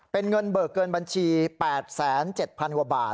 เป็นเงินเบิกเกินบัญชี๘๗๐๐กว่าบาท